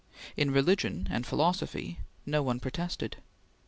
In religion and philosophy no one protested.